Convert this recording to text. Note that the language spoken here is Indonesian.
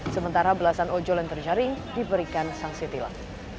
sementara belasan ojol yang terjaring diberikan sang sitilak